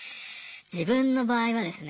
自分の場合はですね